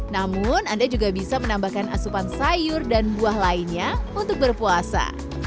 namun anda juga bisa menambahkan asupan sayur dan buah lainnya untuk berpuasa